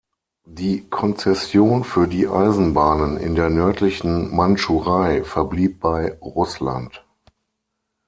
Die Konzession für die Eisenbahnen in der nördlichen Mandschurei verblieb bei Russland.